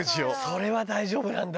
それは大丈夫なんだ。